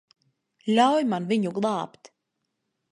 Ļauj man viņu glābt.